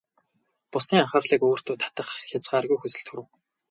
Бусдын анхаарлыг өөртөө татах хязгааргүй хүсэл төрөв.